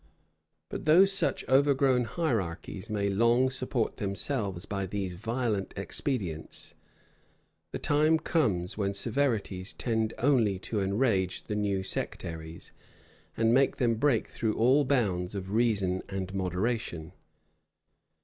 But though such overgrown hierarchies may long support themselves by these violent expedients, the time comes when severities tend only to enrage the new sectaries, and make them break through all bounds of reason and moderation.